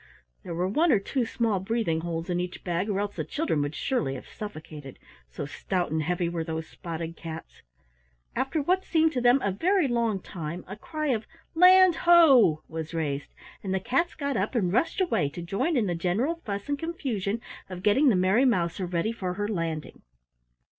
There were one or two small breathing holes in each bag, or else the children would surely have suffocated, so stout and heavy were those spotted cats. After what seemed to them a very long time a cry of "Land ho!" was raised, and the cats got up and rushed away to join in the general fuss and confusion of getting the Merry Mouser ready for her landing.